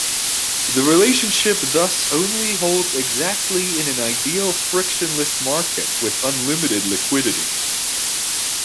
The relationship thus only holds exactly in an ideal frictionless market with unlimited liquidity.